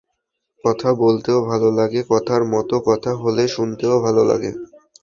কথা বলতেও ভালো লাগে, কথার মতো কথা হলে শুনতেও ভালো লাগে।